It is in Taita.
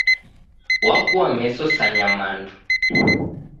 Wakua meso sa nyamandu